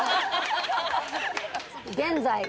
現在。